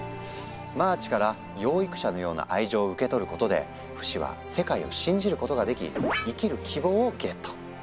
マーチから養育者のような愛情を受け取ることでフシは世界を信じることができ「生きる希望」をゲット！